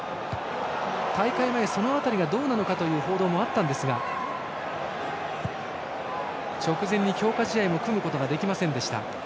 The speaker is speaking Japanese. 大会前、その辺りがどうなのかという報道もあったんですが直前に強化試合を組むこともできませんでした。